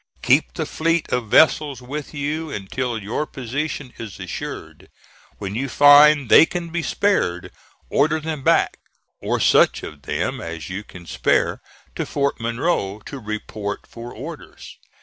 "Keep the fleet of vessels with you until your position is assured. When you find they can be spared, order them back, or such of them as you can spare, to Fort Monroe, to report for orders.